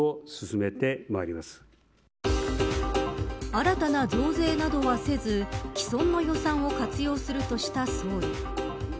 新たな増税などはせず既存の予算を活用するとした総理。